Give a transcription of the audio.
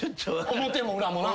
表も裏もな。